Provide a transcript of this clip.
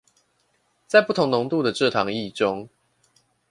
在不同濃度的蔗糖液中